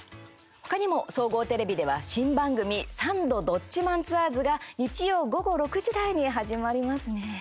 他にも総合テレビでは新番組「サンドどっちマンツアーズ」が日曜、午後６時台に始まりますね。